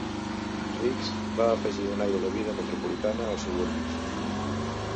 Rich's va afegir un aire de vida metropolitana als suburbis.